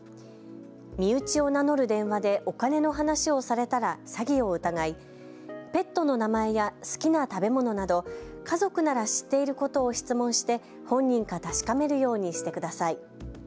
身内を名乗る電話でお金の話をされたら詐欺を疑いペットの名前や好きな食べ物など家族なら知っていることを質問して、本人か確かめるようにしてください。